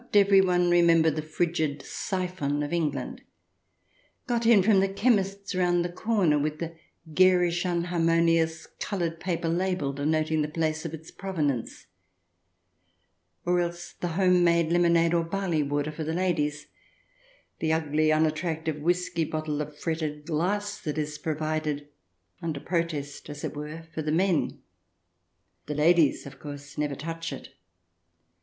Ill] SLEEPY HOLLOW 43 Does not everyone remember the frigid syphon of England, got in from the chemist's round the corner, with the garish, unharmonious, coloured paper label denoting the place of its provenance ? Or else the home made lemonade or barley water for the ladies ; the ugly, unattractive whisky bottle of fretted glass that is provided, under protest as it were, for the men ? The ladies, of course, never touch it.